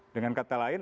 dengan kata lain